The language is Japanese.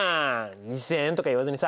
２０００円とか言わずにさ５０００円！